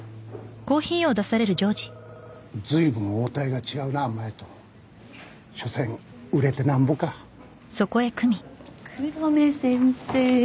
随分応対が違うな前としょせん売れてなんぼか黒目先生